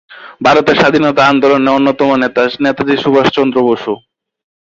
ভারতের স্বাধীনতা আন্দোলনের অন্যতম নেতা নেতাজি সুভাষচন্দ্র বসু।